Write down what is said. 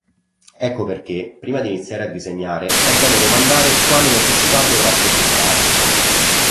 Ecco perché, prima di iniziare a disegnare, è bene domandare quale necessità dovrà soddisfare.